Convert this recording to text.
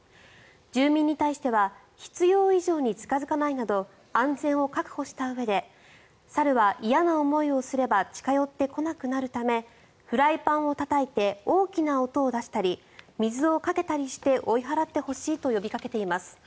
住民に対しては必要以上に近付かないなど安全を確保したうえで猿は、嫌な思いをすれば近寄ってこなくなるためフライパンをたたいて大きな音を出したり水をかけたりして追い払ってほしいと呼びかけています。